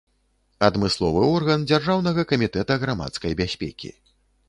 Адмысловы орган дзяржаўнага камітэта грамадскай бяспекі.